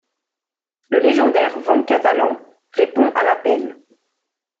Le légendaire vent catalan répond à l'appel.